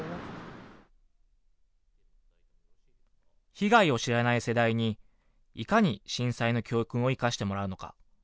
被害を知らない世代にいかに震災の教訓を生かしてもらうのか。